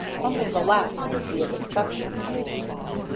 Only the last would be a deception.